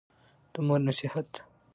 د مور نصېحت